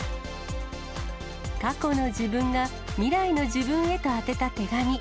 過去の自分が未来の自分へと宛てた手紙。